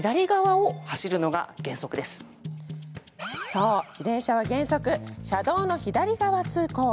そう、自転車は原則車道の左側通行。